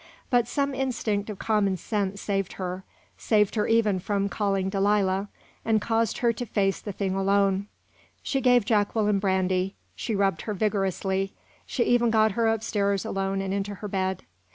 But some instinct of common sense saved her saved her even from calling Delilah, and caused her to face the thing alone. She gave Jacqueline brandy, she rubbed her vigorously; she even got her up stairs alone and into her bed.